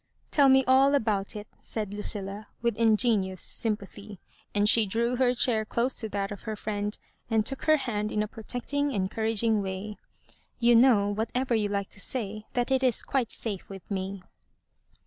Tell me all about it," said LucOla, with in genuous sympathy ; and she drew her chair dose to that of her friend, and took her hand in a pro tecting, encouraging way —Tou know, what ever you like to say, that it is quite safe vritb me."